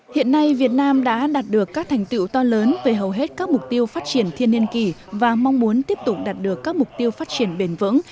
hiện nay việt nam đã đạt được các thành tựu to lớn về hầu hết các mục tiêu phát triển thiên niên kỳ và mong muốn tiếp tục đạt được các mục tiêu phát triển bền vững